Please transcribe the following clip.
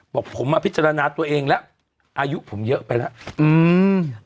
บอกผมมาพิจารณาตัวเองแล้วอายุผมเยอะไปแล้วอืม